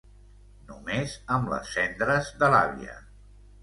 Només amb les cendres de l'àvia.